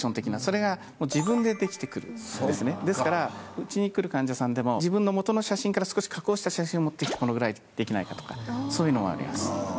うちに来る患者さんでも自分の元の写真から少し加工した写真を持ってきて「このぐらいできないか」とかそういうのはあります。